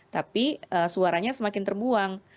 tapi suaranya semakin terbuang